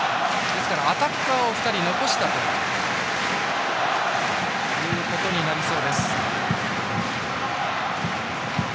ですから、アタッカーを２人残したということになりそうです。